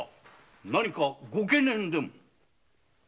何かご懸念でも？